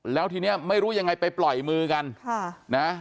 แล้วทีนี้ไม่รู้ยังไงไปปล่อยมือกัน